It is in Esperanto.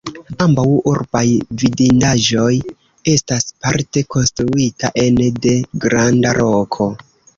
Ambaŭ urbaj vidindaĵoj estas parte konstruita ene de granda roko.